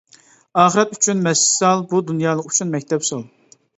ئاخىرەت ئۈچۈن مەسچىت سال، بۇ دۇنيالىق ئۈچۈن مەكتەپ سال.